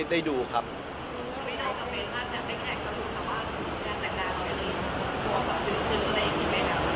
มีได้คำเมตต์หลังจากแฟนแขกก็ถูกทำว่าหลุมงานต่างด้านก็ได้ดู